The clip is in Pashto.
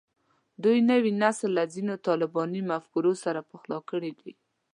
دوی نوی نسل له ځینو طالباني مفکورو سره پخلا کړی دی